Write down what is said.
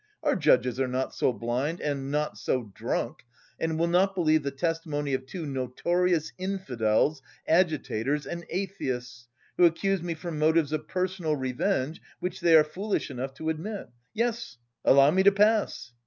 Our judges are not so blind and... not so drunk, and will not believe the testimony of two notorious infidels, agitators, and atheists, who accuse me from motives of personal revenge which they are foolish enough to admit.... Yes, allow me to pass!"